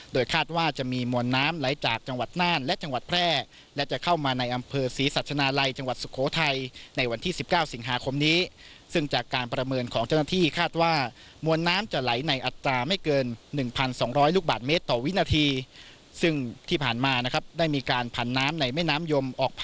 โดยคาดว่าจะมีมวลน้ำไหลจากจังหวัดน่านและจังหวัดแพร่และจะเข้ามาในอำเภอศรีสัชนาลัยจังหวัดสุโขทัยในวันที่๑๙สิงหาคมนี้ซึ่งจากการประเมินของเจ้าหน้าที่คาดว่ามวลน้ำจะไหลในอัตราไม่เกิน๑๒๐๐ลูกบาทเมตรต่อวินาทีซึ่งที่ผ่านมานะครับได้มีการผันน้ำในแม่น้ำยมออก